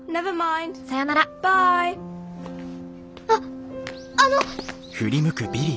．あっあの！